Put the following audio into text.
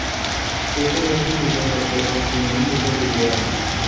Este no es un museo de objetos, sino un museo de ideas.